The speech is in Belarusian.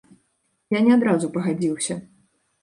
Я не адразу пагадзіўся.